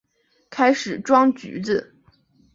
开始装橘子